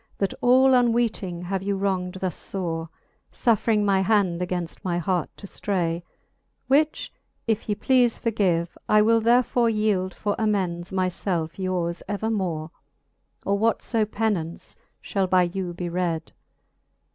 That all unweeting have you wrong'd thus fore, SufFring my hand againft my heart to ftray : Which if ye pleafe forgive, I will therefore Yeeld for amends my felfe yours evermore, Or what {o penaunce fhall by you be red.